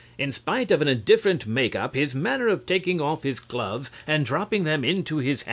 In spite of an indifferent make up, his manner of taking off his gloves and dropping them into his hat (He does so.)